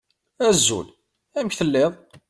Azul. Amek telliḍ?